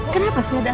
kenapa sih ada asap